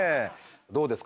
どうですか？